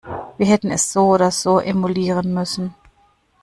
Wir hätten es so oder so emulieren müssen.